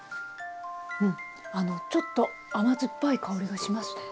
うんあのちょっと甘酸っぱい香りがしますね。